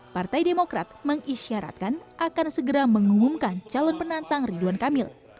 partai demokrat mengisyaratkan akan segera mengumumkan calon penantang ridwan kamil